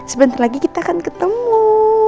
sebentar lagi kita akan ketemu